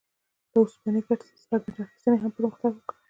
له اوسپنې څخه ګټې اخیستنې هم پرمختګ وکړ.